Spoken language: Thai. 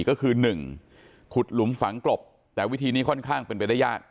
ก็คือ๑ขุดหลุมฝังกลบแต่วิธีนี้ค่อนข้างเป็นไปได้ยาก